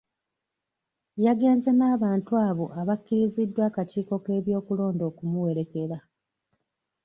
Yagenze n'abantu abo abakkiriziddwa akakiiko k'ebyokulonda okumuwerekera.